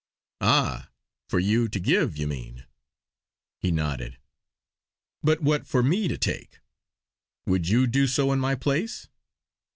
"Ah, for you to give you mean?" He nodded. "But what for me to take? Would you do so in my place?"